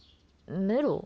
メロ？